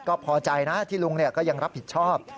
ก็พอใจนะที่ลุงก็ยังรับผิดชอบ